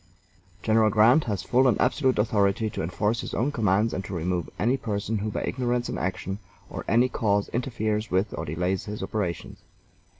General Grant has full and absolute authority to enforce his own commands and to remove any person who by ignorance in action or any cause interferes with or delays his operations.